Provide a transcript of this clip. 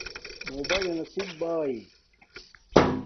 موباݵلنا سم باݵی